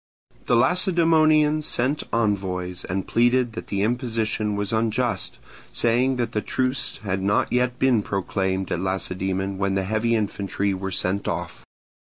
The Lacedaemonians sent envoys, and pleaded that the imposition was unjust; saying that the truce had not yet been proclaimed at Lacedaemon when the heavy infantry were sent off.